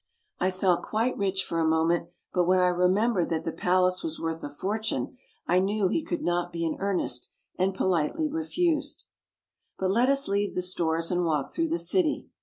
I felt quite rich for a moment, but when I remembered that the palace was worth a fortune, I knew he could not be in earnest, and politely refused. But let us leave the stores and walk through the city.